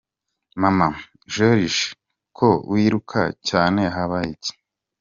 Mama: Joriji ko wiruka cyane habaye iki?.